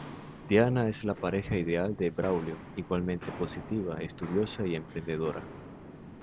Diana es la pareja ideal de Braulio, igualmente positiva, estudiosa y emprendedora.